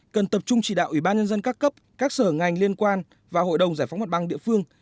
cần tập trung chỉ đạo ủy ban nhân dân các cấp các sở ngành liên quan và hội đồng giải phóng mặt bằng địa phương